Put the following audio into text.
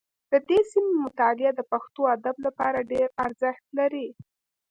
د دې سیمې مطالعه د پښتو ادب لپاره ډېر ارزښت لري